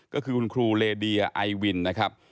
ก็คือคุณครูเลเดียไอวินนะครับ